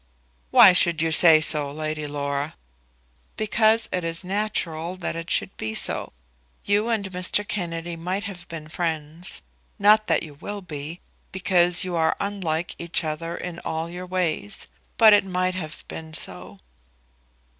"Why should you say so, Lady Laura?" "Because it is natural that it should be so. You and Mr. Kennedy might have been friends. Not that you will be, because you are unlike each other in all your ways. But it might have been so."